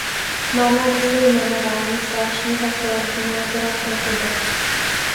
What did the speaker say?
Mám na mysli jmenování zvláštního koordinátora pro Tibet.